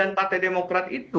pengambilan partai demokrat itu